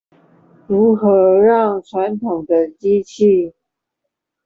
如何讓傳統的機器